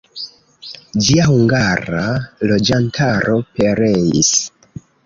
Ĝia hungara loĝantaro pereis.